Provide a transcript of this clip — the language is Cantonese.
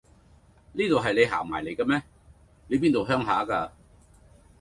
呢度係你行埋嚟嘅咩？你邊度鄉下呀？